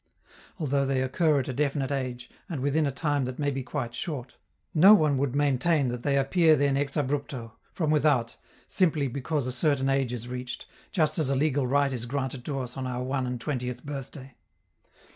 Although they occur at a definite age and within a time that may be quite short, no one would maintain that they appear then ex abrupto, from without, simply because a certain age is reached, just as a legal right is granted to us on our one and twentieth birthday.